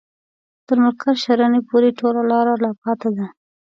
تر مرکز شرنې پوري ټوله لار لا پاته ده.